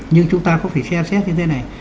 nhưng chúng ta có thể xem xét như thế này